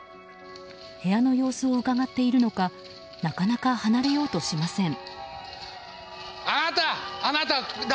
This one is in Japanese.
部屋の様子をうかがっているのかなかなか離れようとしません。